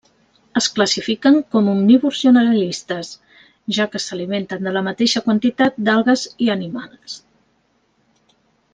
Es classifiquen com omnívors generalistes, ja que s'alimenten de la mateixa quantitat d'algues i animals.